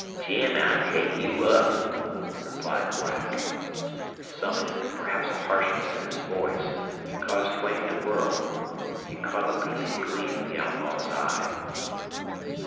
"Jim, I'll take you up," replied Black. Something, perhaps a harshness in his voice, caused Duane to whirl. He caught a leaping gleam in the outlaw's eye.